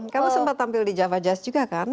kamu sempat tampil di java jazz juga kan